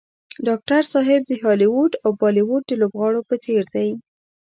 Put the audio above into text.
ډاکټر صاحب د هالیوډ او بالیوډ د لوبغاړو په څېر دی.